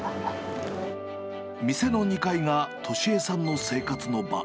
店の２階が俊恵さんの生活の場。